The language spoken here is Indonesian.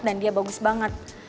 dan dia bagus banget